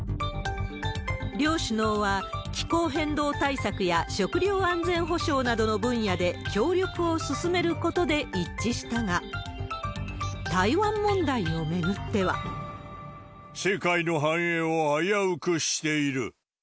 両首脳は、気候変動対策や食料安全保障などの分野で協力を進めることで一致したが、台湾問題を巡っては。世界の繁栄を危うくしている。